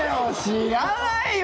知らないよ。